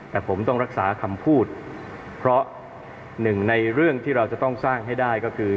แต่ผมต้องรักษาคำพูดเพราะหนึ่งในเรื่องที่เราจะต้องสร้างให้ได้ก็คือ